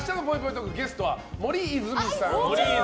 トークゲストは森泉さん。